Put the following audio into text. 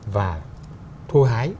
và thô hái